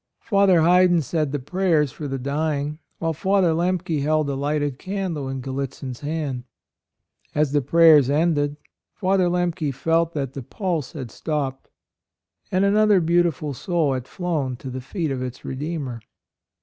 Father Heyden said the Prayers for the Dying, while Father Lemke held a lighted candle in Gallitzin's hand. As the prayers ended Father Lemke felt that the 124 A ROYAL SON pulse had stopped and another beautiful soul had flown to the Feet of its Redeemer.